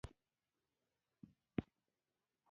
د تصدیق لپاره داسې اصطلاح وکاروئ: "تاسې ویل غواړئ چې..."